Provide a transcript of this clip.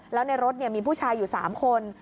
แล้วในรถมีผู้ชายอยู่๓คน